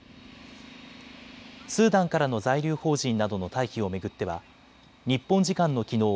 スーダンからの在留邦人などの退避を巡っては日本時間のきのう